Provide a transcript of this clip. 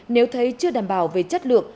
nếu thấy chưa đảm bảo về chất lượng